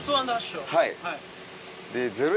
はい。